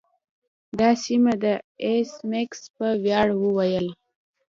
دا سمه ده ایس میکس په ویاړ وویل